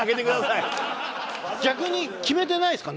逆に決めてないですか？